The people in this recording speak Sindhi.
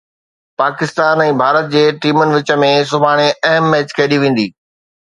پاڪستان ۽ ڀارت جي ٽيمن وچ ۾ سڀاڻي اهم ميچ کيڏي ويندي